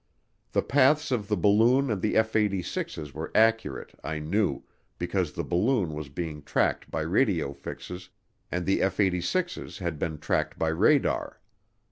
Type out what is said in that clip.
The paths of the balloon and the F 86's were accurate, I knew, because the balloon was being tracked by radio fixes and the F 86's had been tracked by radar.